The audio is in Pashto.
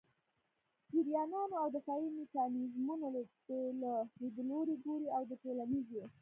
جریانونو او دفاعي میکانیزمونو له لیدلوري ګوري او د ټولنيزې